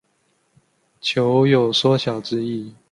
酉有缩小之意。